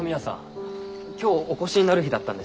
今日お越しになる日だったんですね。